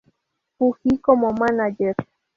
Fuji como Manager.